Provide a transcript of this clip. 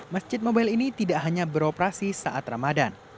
masjid mobile ini tidak hanya beroperasi saat ramadan